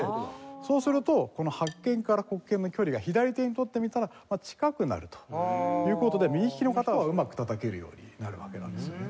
そうするとこの白鍵から黒鍵の距離が左手にとってみたら近くなるという事で右ききの方はうまく叩けるようになるわけなんですよね。